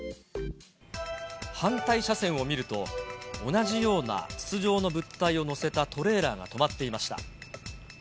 反対車線を見ると、同じような筒状の物体を載せたトレーラーが止まっていました。